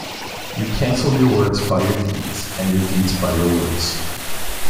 You cancelled your words by your deeds and your deeds by your words.